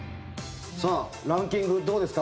ランキングどうですか？